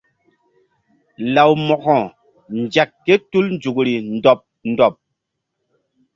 Law Mo̧ko nzek ké tul nzukri ndɔɓ ndɔɓ.